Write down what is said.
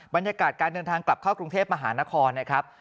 บรรยากาศการเดินทางกลับเข้ากรุงเทพมหานครนะครับ